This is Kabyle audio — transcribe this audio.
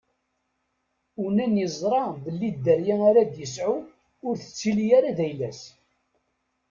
Unan iẓra belli dderya ara d-isɛu ur tettili ara d ayla-s.